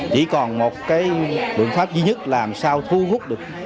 chỉ còn một cái biện pháp duy nhất làm sao thu hút được